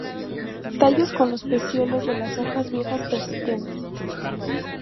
Tallos con los pecíolos de las hojas viejas persistentes.